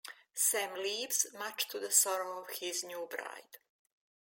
Sam leaves, much to the sorrow of his new bride.